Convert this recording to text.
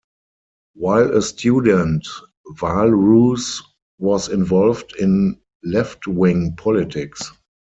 While a student, Wahlroos was involved in left-wing politics.